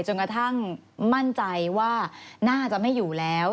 จนกระทั่งมั่นใจว่าน่าจะไม่อยู่แล้ว